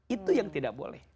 itu yang tidak boleh